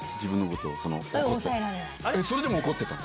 それでも怒ってたの？